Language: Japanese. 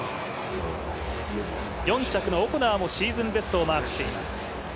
４着のオコナーもシーズンベストをマークしています。